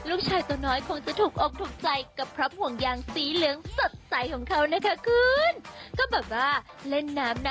ลูกชายตัวน้อยคงจะถูกอกถูกใจกระพรับห่วงยางสีเหลืองสดใสของเขานะคะคืน